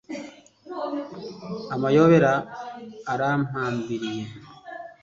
Amayobera arampambiriye